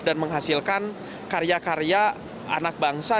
dan menghasilkan karya karya anak bangsa